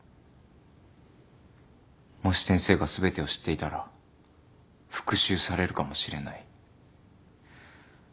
もし先生が全てを知っていたら復讐されるかもしれない。